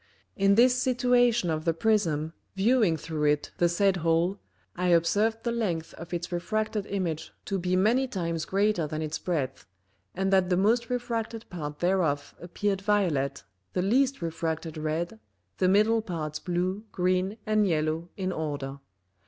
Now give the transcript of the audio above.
In this situation of the Prism viewing through it the said Hole, I observed the length of its refracted Image to be many times greater than its breadth, and that the most refracted part thereof appeared violet, the least refracted red, the middle parts blue, green and yellow in order.